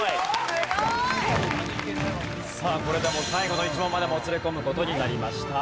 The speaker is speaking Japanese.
すごい！さあこれでもう最後の１問までもつれ込む事になりました。